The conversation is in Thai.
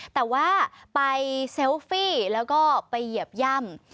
แต่ว่าไปเซลฟี่แล้วก็ไปเหยียบย่ำ